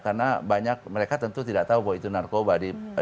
karena banyak mereka tentu tidak tahu bahwa itu narkoba